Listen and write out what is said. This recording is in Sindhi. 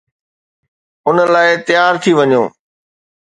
ان لاءِ تيار ٿي وڃو.